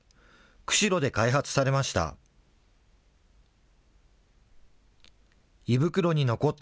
釧路で開発されました。